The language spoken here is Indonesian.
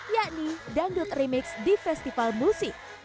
yakni dangdut remix di festival musik